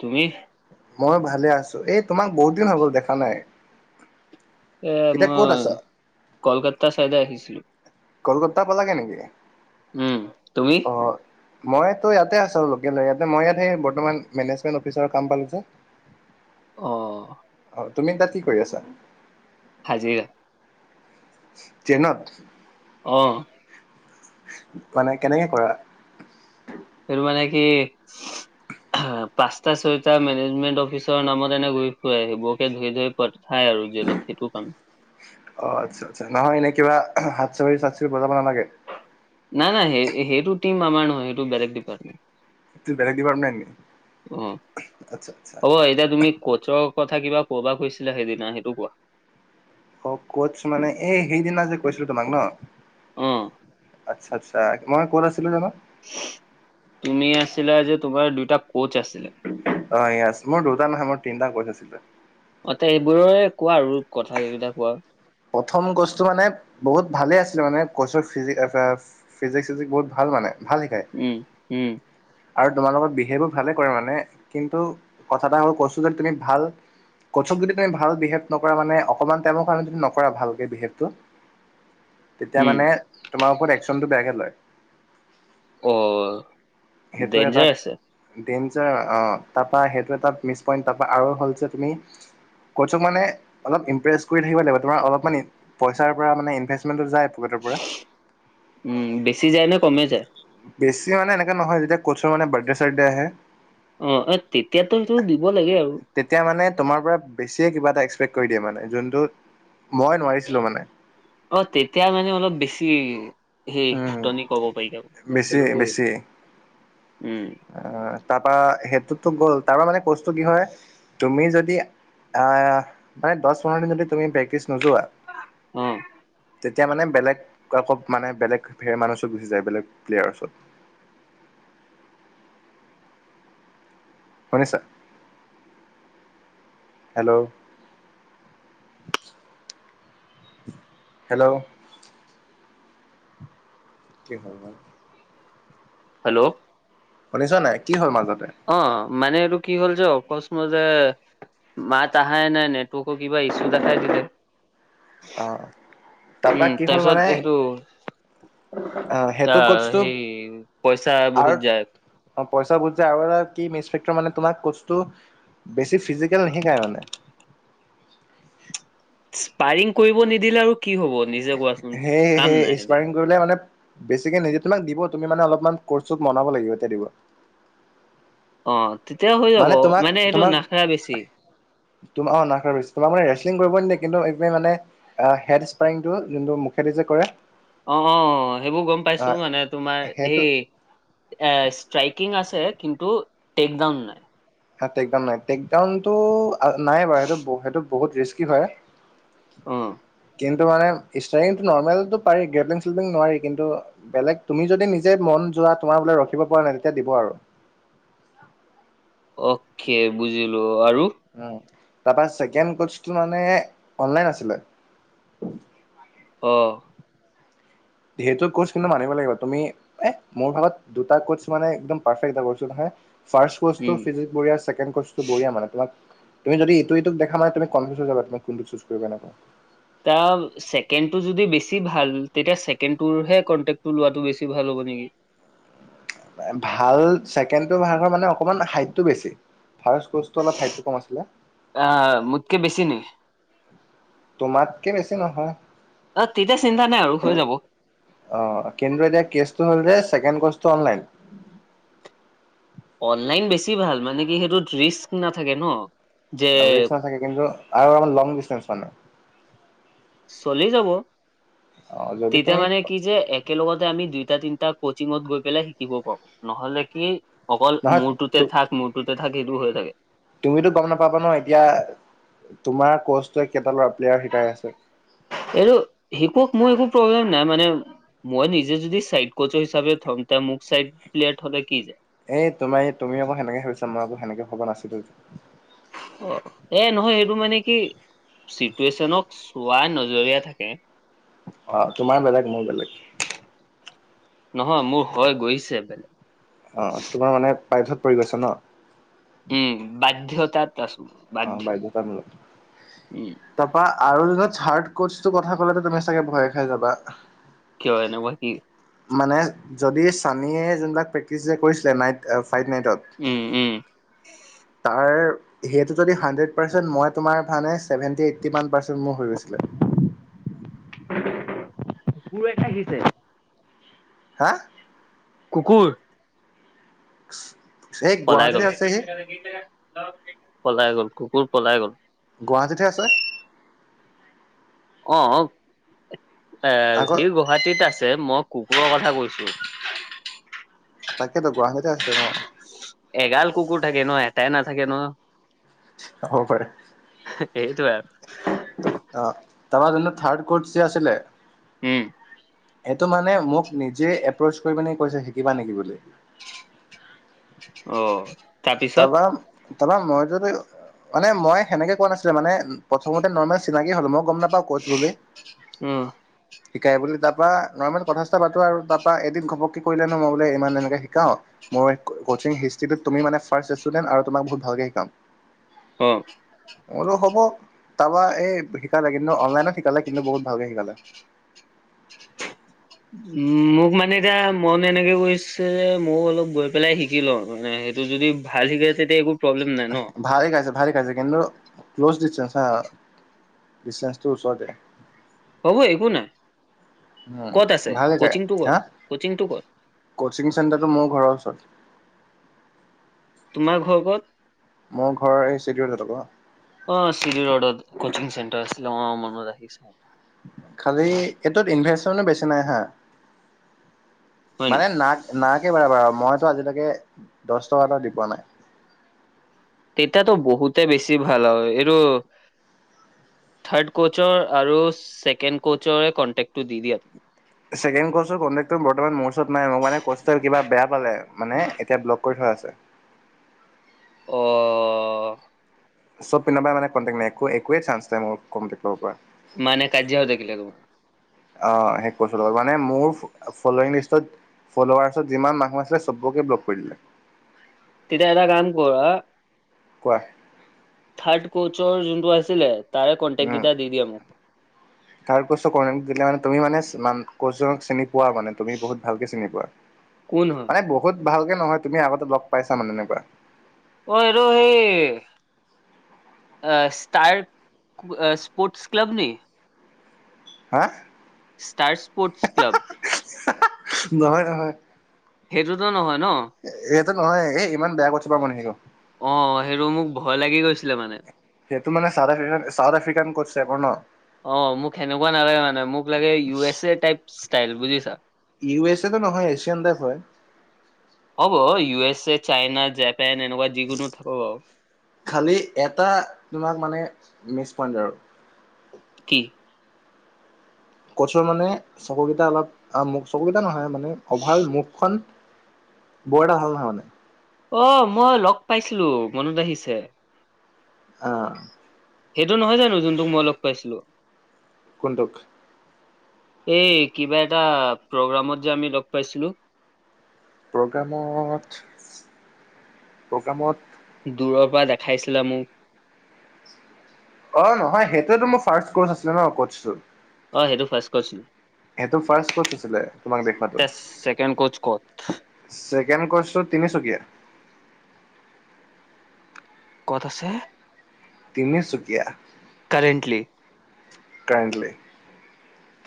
তুমি মই ভালে আছো, এই তোমাক বহুত দিন হৈ গ'ল দেখা নাই। এ, এতিয়া ক'ত মই আছা কলকাতা চাইডে আহিছিলো। কলকাতা পালাগে নেকি, উম তুমি অঁ। মইতো ইয়াতে আছো, লেকল ই, মই ইয়াত সেই বৰ্তমান মেনেজমেট অফিচৰ কাম পালো যে। অঁ অ তুমি তাত কি কৰি আছা? হাজিৰা। ট্ৰেইনত অঁ মানে কেনেকে কৰা? সেইটো মানে কি? পাঁচটা, ছয়টা মেনেজমেন্ট অফিচৰ নামত এনে ঘূৰি ফুৰে, সেইবোৰকে ধৰি ধৰি প চাই আৰু জেলত সেইটো কাম। অঁ, আচ্ছা আচ্ছা নহয় এনে কিবা হাত চাৰি চাট চৰি বজাব নালাগে। নাই নাই সে‌ সেইটো টিম আমাৰ নহয়, সেইটো বেলেগ ডিপাৰ্টমেণ্ট। বেলেগ ডিপাৰ্টমেণ্ট নি উম, আচ্ছা আচ্ছা হ'ব এতিয়া তুমি ক'চৰ কথা কিবা কবা কৈছিলা, সেইদিনা সেইটো কোৱা। অঁ, কোচ মানে এই সেইদিনা যে কৈছিলো তোমাক ন। অ আচ্ছা, আচ্ছা মানে ক'ত আছিলো জানো? তুমি আছিলা যে, তোমাৰ দুইটা কোচ আছিলে। অঁ য়েছ মোৰ দুটা নহয় মোৰ তিনিটা কোৰ্চ আছিলে। অঁ ত এইবোৰৰে কোৱা আৰু কথা কেই কেইটা কোৱা। প্ৰথম কৰ্চটো মানে বহুত ভালে আছিলে মানে কৰ্চ ফিজিক এফেয়াৰটো। ফিজিক্স চিজিক ভাল মানে, ভাল শিকায়। উম উম। আৰু তোমাৰ লগত বিহেভো ভালে কৰে, মানে কিন্তু কথা এটা হল কৈছো যে তুমি ভাল বছক যদি তুমি ভাল বিহেভ কৰা মানে অকমান টাইমৰ কাৰি যদি নকৰা ভালকে বিহেভটো, তেতিয়া উম মানে তোমাৰ ওপৰত এক্সনটো বেয়াকে লয়। অ সেইটো এটা ডেঞ্জাৰ আছে ডেঞ্জাৰ অঁ, তাৰ সেইটো এটা মিছ পইণ্ট, তাৰ আৰু হল যে তুমি ক'চক মানে অলপ ইমপ্ৰেছ কৰি থাকিব লাগিব, তোমাৰ অলপ মানে পইচাৰ পৰা মানে ইনভেষ্টমেন্টত যায়। পকেটৰ পৰা উম, বেছি যায় নে কমে যায়? বেছি মানে এনেকে নহয়, যেতিয়া ক'চৰ মানে বাৰ্থডে চাৰ্থডে আহে। অ এ তেতিয়াতো সেটো দিব লাগে আৰু। তেতিয়া মানে তোমাৰ পৰা বেছিয়ে কিবা এটা এক্সপেক্ট কৰি দিয়ে মানে যোনটো মই নোৱাৰিছিলো মানে। অ তেতিয়া মানে অলপ বেছি সেই ফুটনি কব পাৰিব দিয়ক বেছি উম অ তাৰপা সেইটোতো গ'ল তাৰ পৰা মানে কচটো কি হয় তুমি যদি আ মানে দহ পোন্ধৰ দিন যদি তুমি প্ৰেক্টিছ নোযোৱা অ তেতিয়া মানে বেলেগ আকৌ মানে বেলেগে সেই মানুহৰ ওচৰত গুচি যায় বেলেগ প্লেয়াৰ ওচৰত শুনিছা হেল্ল হেল্ল' কি হয় বাও হেল্ল' শুনিছা নাই কি হল মাজতে অ মানে এইটো কি হ'ল যে অকস্মাতে মাত আহাই নাই নেটৱৰ্কৰ কিবা ইছ্যু দেখাই দিলে অ তাৰপা উম কি হ'ল মানে তাৰপিছত সেইটো অ তা সেইটো কচটো সেই পইচা বহুত আৰু যায় অ পইচা বহুত যায় আৰু এটা কি মিছফেক্টৰ মানে তোমাক কচটো বেছি ফিজিকেল নিশিকাই মানে। স্পাইৰিং কৰিব নিদিলে আৰু কি হব নিজে কোৱাচোন কাম নাই সেইটো ধৰিলে মানে বেছিকে নিজে তোমাক দিব তুমি মানে অলপমান কচটোক মনাব লাগিব তেতিয়া দিব অ তেতিয়া হৈ যাব মানে এইটো নাখায় বেছি তোমাৰ অ নাখায় বেছি তোমাক মানে ৰেচলিং কৰিবই নিদিয়ে কিন্তু এক মানে হেড স্প্ৰাইংটো যোনটো মুখেদি যে কৰে অ অ সেইবোৰ গম আহ পাইছো মানে তোমাৰ সেইটো এই এ ষ্ট্ৰাইকিং আছে কিন্তু টেক ডাউন নাই আ টেকডাউন নাই টেকডাউনটো নাই বাৰু সেইটো সেইটো বহুত ৰিস্কি হয়। অ কিন্তু মানে ষ্টাৰিংটো নৰ্মেলটো পাৰি গেডলিং চেডলিং নোৱাৰি কিন্তু বেলেগ তুমি যদি নিজে মন যোৱা তোমাৰ বোলে ৰখিব পৰা নাই তেতিয়া দিব আৰু অকে বুজিলো আৰু উ তাৰপা চেকেণ্ড কচটো মানে অনলাইন আছিলে। অ সেইটো কৰ্চ কিন্তু মানিব লাগিব তুমি এ মোৰ ভাগত দুটা কচ মানে একদম পাৰফেক্ট যাব কৈছো নহয় ফাৰ্ষ্ট কচটো উম ফিজিক বঢ়িয়াচে ছেকেণ্ড কচটো বঢ়িয়া মানে তোমাক তুমি যদি ইটো সিটোক দেখা নহয় তুমি কনফিউজ হৈ যাবা তুমি কোনটো চোচ কৰিবা নকৰা তা ছেকেণ্ডটো যদি বেছি ভাল তেতিয়া ছেকেণ্ডটোৰহে কন্টেক্টটো লোৱাটো বেছি ভাল হ'ব নেকি ভাল ছেকেণ্ডটো ভাল হয় মানে অকমান হাইটটো বেছি ফাৰ্ষ্ট কচ টো অলপ হাইটতো কম আছিলে অ মোতকে বেছি নেকি তোমাতকে বেছি নহয় অ তেতিয়া চিন্তা নাই আৰু হৈ যাব অ কিন্তু এতিয়া কেচটো হ'ল যে ছেকেণ্ড কৰ্চটো অনলাইন অনলাইন বেছি ভাল মানে কি সেইটোত ৰিস্ক নাথাকে ন যে আৰু নাথাকে কিন্তু আৰু লং দিচতেন্স মানে চলি যাব অ' যদি তেতিয়া তুমি মানে কি যে একেলগতে আমি দুইটা তিনটা কোচিঙত গৈ পেলাই শিকিব পাৰো নহলে কি অকল মৰতোত নহয় তে থাক মৰটোতে থাক সেইটো হৈ থাকে তুমিতো গম নাপাবা ন এতিয়া তোমাৰ কোচটোৱে কেইটা লৰা প্লেয়াৰ শিকাই আছে। এইটো শিকক মই একো প্ৰব্লেম নাই মানে। মই নিজে যদি চাইড কোচ হিচাপে থম তে মোক চাইড প্লেয়াৰ থলে কি যায়। এই তোমাৰ তুমি আকৌ সেনেকে ভাবিছা মই আক সেনেকে ভ'বা নাছিলো। অ এ নহয় এটো মানে কি চিটুৱেশচনক চোৱা নজৰীয়া থাকে অ তোমাৰ বেলেগ মোৰ বেলেগ নহয় মোৰ হয় গৈছে বেলেগ অ তোমাৰ মানে পাইঠত পৰি গৈছা ন উম বাধ্যতাত আছোঁ। অ বাধ্যতামোলক তাৰপা আৰু দত চাৰ্ট কতচটো কথা কলে তুমি চাগে ভয়ে খাই যাবা কিয় এনেকুৱা কি মানে যদি সানীয়ে যোনবিলাক প্ৰেক্টিচ যে কৰিছিলে নাইট ফাইট নাইটত উম উম, বিচাৰি তাৰ সেইটো যদি হাণ্ড্ৰেট পাৰ্চেণ্ট মই তোমাৰ চেভেন্তি এইটি ওৱান পাৰ্চেন মান হৈ গৈছিলে। [unintelligible] হা কুকুৰ [inaudible] পলাই গল গুৱাহাটীতহে আছে সি পলাই গ'ল কুকুৰ পলাই গ'ল। গুৱাহাটীতহে আছে অ এ সি আকৌ গ গুৱাহাটীত আছে মই কুকুৰৰ কথা কৈছোঁ। তাকেতো গুৱাহাটীতে আছে ন এগাল কুকুৰ থাকে ন এটাই নাথাকে ন হব পাৰে। এইটো অ তাৰা জো থাৰ্ ক আছিলে উম এইটো মানে মোক নিজে এপ্ৰচ কৰি মিনে কৈছে শিকিবা নেকি বুলি। অ তাৰপিছত তাৰপৰা তাৰপৰা মই যদি মানে মই সেনেকে কোৱা নাছিলে মানে প্ৰথমতে নৰ্মেল চিনাকি হ'লো মই গম নাপাওঁ কোচ বুলি। উম শিকায় বুলি তাৰ পৰা নৰ্মেল কথা ছঠা এটা পাতো আৰু তাৰ পৰা এদিন ঘপককে কৰিলেনো মই বোলে ইমান এনেকে শিকাওঁ মোৰ কচিং হিষ্ট্ৰিটোত তুমি মানে ফাৰ্ষ্ট ষ্টুডেণ্ট আৰু তোমাক বহুত ভালকে শিকাম। অ' মোৰো হ'ব তাৰপা এই শিকালে কিন্তু অনলাইনত শিকালে কিন্তু বহুত ভালকে শিকালে উম মোক মানে এতিয়া মন এনেকে গৈছে যে মই অলপ গৈ পেলাই শিকি লওঁ মানে সেই তোৰ যদি ভাল শিকে তেতিয়া একো প্ৰব্লেম নাই ন। ভাল শিকাইছে ভাল শিকাইছে কিন্তু ক্ল'জ ড্ৰটেন হা ডচেঞ্চটো ওচৰতে হব একো নাই উম ক'ত আছে ভালে গায় কচিংটো ক'ত হা কচিংটো ক'ত কচিং চেণ্টাৰটো মোৰ ঘৰৰ ওচৰত। তোমাৰ ঘৰ ক'ত? মোৰ ঘৰ এই চিডিউল উচৰত আকৌ অ চিৰি ৰডত কচিং চেণ্টাৰ আছিল অ মনত আহিছে। খালি এইটোত ইনভেচমেনো বেছি নাই হা হয় নি মানে নাট নালাগে বাৰ বাৰু মইতো আজিলৈকে দছ টকা এটা দি পোৱা নাই। তেতিয়া বহুতে বেছি ভাল আৰু এইটো। থাৰ্ড কোচৰ আৰু ছেকেণ্ড কোচৰে কণ্টেক্টো দি দিয়া। তুমি ছেকেণ্ড কৰ্চৰ কণ্টেক্টটো বৰ্তমান মোৰ ওচৰত নাই। মোৰ মানে ক'চটো কিবা বেয়া পালে মানে এতিয়া ব্লক কৰি থোৱা আছে। অ চব পিন্ধাই মান কণ্টেকট নাই একোৱেই চাঞ্চ নাই মোক কণ্টেকট কৰিব পৰা। মানে কাজিয়া হয় থাকিলে একো অ শেষ বছৰ মানে মোৰ ফলং লিষ্টত ফল'লোৱাৰাৰ্চত যিমান মানুহ আছিলে চবকে বলক কৰি দিলে। তেতিয়া এটা কাম কৰা। কোৱা? থাৰ্ড কোচৰ যোনটো আছিলে তাৰে কণ্টেক্ট কেইটা দি দিয় মোক- থাক কষ্টৰ কৰেন দিলে মানে তুমি মানে কচক চিনি পোৱা। মানে তুমি বহুত ভালকে চিনি পোৱা। কোন হয়? মানে বহুত ভালকে নহয় তুমি আগতে লগ পাইছা মানে এনেকুৱা। অ আৰু সেই ষ্টাৰ স্পৰ্ট ক্লব নি? হা ষ্টাৰ স্পৰ্টছ ক্লব। হা নহয় নহয়। সেইটোতো নহয় ন। এ এইটো নহয় এ ইমান বেয়া কথা পা মানে সেই আক অ সেইটো মোক ভয় লাগি গৈছিলে মানে। সেইটো মানোউথ আফ্ৰিকান চাউথ আফ্ৰিকান কছে আকৌ ন। অ মোক সেনেকুৱা নালাগে মানে মোক লাগে U, S A type style বুজিছা। ইউ এছ এ তো নহয় এছিয়ান টাইপ হয়। হ'ব U S A China Japan এনেকুৱা যিকোনো থাক আৰু খালী এটা তোমাক মানে মিছ পইণ্ট আৰু কি? কচৰ মানে চকুকেইটা অলপ মু চকুকেইটা নহয় মানে অভাৰল মুখখন বৰ এটা ভাল নহয় মানে অ মই লগ পাইছিলো মনত আহিছে। অ সেইটো নহয় জানো যোনটোক মই লগ পাইছিলো। কোনটোক এই কিবা এটা প্ৰগ্ৰামত যে আমি লগ পাইছিলো। প্ৰগ্ৰামত প্ৰগ্ৰামত দূৰৰ পৰা দেখাইছিলা মোক। অ নহয় সেইটোয়েতো মোৰ ফাৰ্ষ্ট কৰ্চ আছিলে ন কচটো। অ সেইটো ফাৰষ্ট কৰিছিলোঁ। সেইটো ফাৰ্ষ্ট কৰ্চ আছিলে তোমাক দেখুৱাতো। ছেকেণ্ড কচ ক'ত ছেকেণ্ড কৰ্চটো তিনিচুকীয়া। ক'ত আছে? তিনিচুকীয়া কৰেণ্টলি কাইলে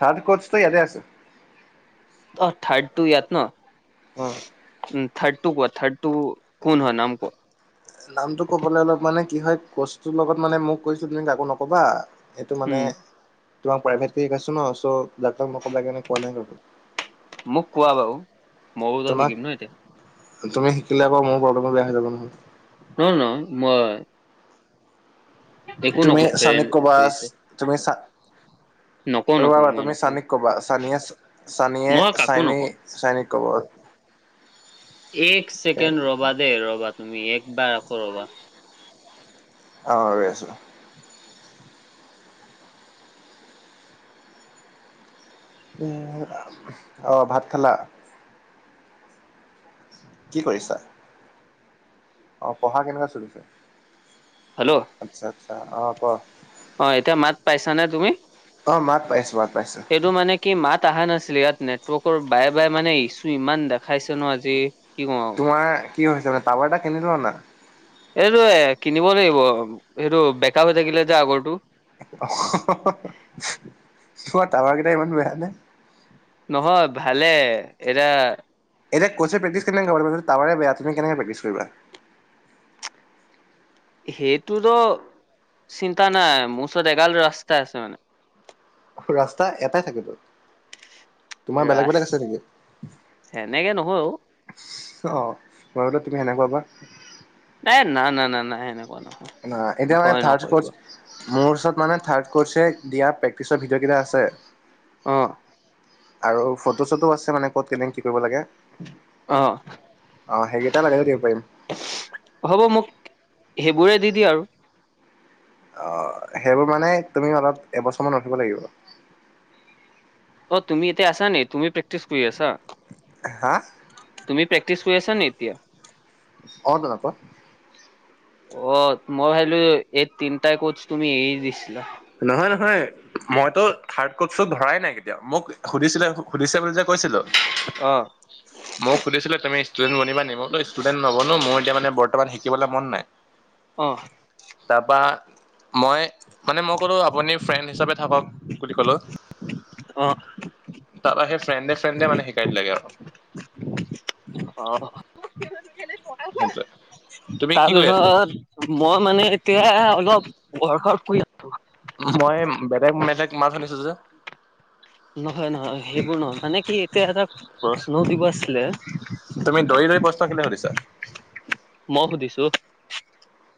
থাৰত কৰ্চ ত ইয়াতে আছে। অ থাৰ্ড তো ইয়াত ন, অ উ থৰ্ডটু ক থৰ্ড টু কোন হয় নাম ক নামতটো ক'বলে অলপ মানে কি হয় ক তোৰ লগত মানে মোক কৈছো তুমি কাকো নকবা সেইটো মানে উম তোমাক প্ৰাইভেট কে শিকাইছো ন চ' ডাক্তক নকবাগে মই কোৱা নাই কাকো। মোক কোৱা বাৰু মইও তো তোমাক শিকিম ন এতিয়া তুমি শিকিলে আক মোৰ প্ৰবলেমটো বেয়া হৈ যাব নহয় নহ নহ মই একো তুমি নকওঁ ফ্ৰেণ্ড সনিক কবাছ কৰিছে তুমি চ নকওঁ ৰবা নকওঁ ৰবা মই তুমি নকওঁ চানিক কবা চানিয়ে চানিয়ে মই কাকো নকওঁ চানিক চানিক কবৰ এক চেকেণ্ড ৰ'বা দে ৰ'বা তুমি এক বাৰ আ কৰ ৰ'বা অ ৰৈ আছোঁ। অ ভাত খালা? কি কৰিছা? অ পঢ়া কেনেকােৱা চলিছে? হেল্ল' আচ্ছা আচ্ছা অ ক অ এতিয়া মাত পাইছানে তুমি? অঁ মাত পাইছোঁ মাত পাইছোঁ। এইটো মানে কি মাত অহা নাছিলে ইয়াত নেটৱৰ্কৰ বায়ে বায়ে মানে ইছ্যু ইমান দেখাইছে ন আজি কি ক তোমাৰ কি হৈছে মানে টাৱাৰ এটা কিনি লোৱা না এইটো এ কিনিব লাগিব সেইটো বেকআপ হৈ থাকিলে যে আগৰটো অ হ হ হ তোমাৰ টাৱাৰ কেইটা ইমান বেয়া নে? নহয় ভালে এয়া এতিয়া কৰ্চে প্ৰেক্টিচ কেনেকে কৰাব তাৱাৰে বেয়া তুমি কেনেক প্ৰেক্টিচ কৰিবা? সেইটোতো চিন্তা নাই মোৰ ওচৰত এগাল ৰাস্তা আছে মানে। ৰাস্তা এটাই থাকে ত তোমাৰ বেলেগ ৰাচ বেলেগ আছে নেকি? সেনেকে নহয় অ অ মই বোলো তুমি সেনেকুৱা বা - এ না না না নাই সেনেকুৱা নহয় ন এতিয়া মানে ভয় থাৰ্ড নকৰিবা কৰ্চ মোৰ ওচৰত মানে থাৰ্ড ক'ৰ্চে দিয়া প্ৰেক্টিচৰ ভডিঅ'কেইটা আছে। অঁ আৰু ফটো চটো আছে মানে ক'ত কেনে কি কৰিব লাগে অ অ সেই গেইটা নাগ দে প্ৰাইম হ'ব মোক সেইবোৰে দি দিয় আৰু অ সেইবোৰ মানে তুমি অলপ এবছৰমানান উঠিব লাগিব অ তুমি ইতিয়া আা নাই তুমি প্ৰে্টিছ কৰ আছা হা তুমি প্ৰেকটিছ কৰি আছা নে এতিয়া অ দাদা ক অ মই ভাবিলো এই তিনিটা কোচ তুমি এৰি দিছিলা নহয় নহয় মইতো থাৰ্ড কক ধৰাই নাই কেতিয়া মোক সুধিছিলে সুিছ বুলি যে কৈছিলো অ'। ময় সুধিছিলো তুমি ষ্টুডেন্ বনিবা নিম মইতো ষ্টুডেন্ট নহব নো মোৰ এতিয়া মানে বৰ্তমান শিকিবলৈ মন নাই অ তাৰপৰা মই মানে কো আপুনি ফ্ৰেণ্ড হিচাপে থাকক বুলি কলো অ', তাৰৰা সেই ফ্ৰেণ্ডে ফ্ৰেডে মানে শিকাই দ লাগে আৰু অ অ এ তাৰপিছত মই মানে এতিয়া অলপ বৰ্ষৰ পৰি মই বেলেগ বেলেগ মাছ শুনিছো যে নহয় নহয় সেইবোৰ নহয় মানে কি এতিয়া এটা প্ৰশ্ন দিব আছিল তুমি দৌৰি দৌৰি প্ৰশ্ন কেলে সুধিছা? মই সুধিছো